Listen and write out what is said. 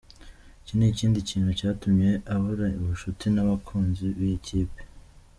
Iki ni ikindi kintu cyatumye abura ubushuti n’abakunzii b’iyi kipe.